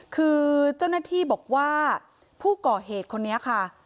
คือเจ้าหน้าที่บอกว่าผู้ก่อเหตุคนนี้ค่ะ